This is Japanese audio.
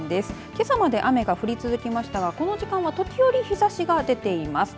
けさまで雨が降り続きましたがこの時間は時折日ざしが出ています。